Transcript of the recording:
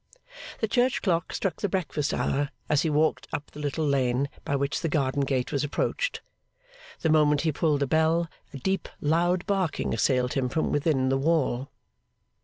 The church clock struck the breakfast hour as he walked up the little lane by which the garden gate was approached. The moment he pulled the bell a deep loud barking assailed him from within the wall.